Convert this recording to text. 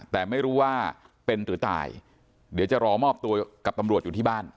แต่ไม่รู้ว่าเป็นหรือตายเดี๋ยวจะรอมอบตัวกับตำรวจอยู่ที่บ้าน